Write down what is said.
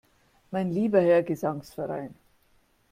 Mein lieber Herr Gesangsverein!